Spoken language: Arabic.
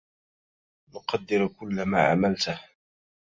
نقدر كل ما عملته.